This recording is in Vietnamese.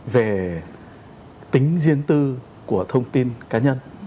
về tính riêng tư của thông tin cá nhân